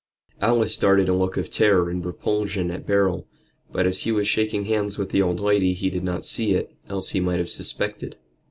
Alice darted a look of terror and repulsion at Beryl, but as he was shaking hands with the old lady he did not see it, else he might have suspected.